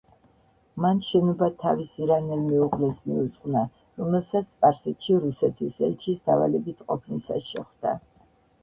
მან შენობა თავის ირანელ მეუღლეს მიუძღვნა, რომელსაც სპარსეთში რუსეთის ელჩის დავალებით ყოფნისას შეხვდა.